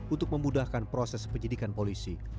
untuk memudahkan proses penyidikan polisi